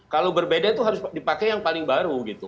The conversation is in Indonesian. kalau berbeda itu harus dipakai yang paling baru gitu